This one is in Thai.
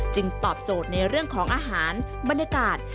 ตอบโจทย์ในเรื่องของอาหารบรรยากาศ